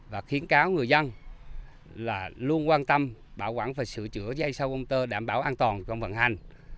và khuyến cáo người dân là luôn quan tâm bảo quản và sửa chữa dây sau công tơ đảm bảo an toàn trong vận hành